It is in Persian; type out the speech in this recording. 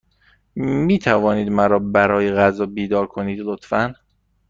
می توانید مرا برای غذا بیدار کنید، لطفا؟